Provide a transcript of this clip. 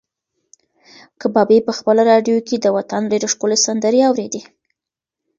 کبابي په خپله راډیو کې د وطن ډېرې ښکلې سندرې اورېدې.